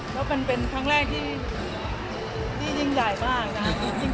แล้วเป็นครั้งแรกที่ยิ่งใหญ่มากนะครับ